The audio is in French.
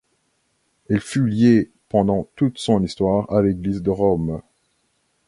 Elle fut liée pendant toute son histoire à l'Église de Rome.